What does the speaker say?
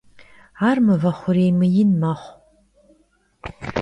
Ar mıve xhurêy mıin mexhu.